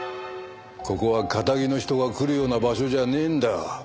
ここはカタギの人が来るような場所じゃねえんだ。